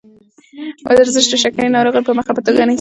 ورزش د شکرې ناروغۍ مخه په ښه توګه نیسي.